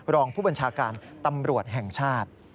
รองผู้บัญชาการตำรวจแห่งชาติ